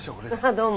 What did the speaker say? どうも。